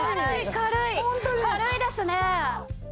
軽い軽いですね。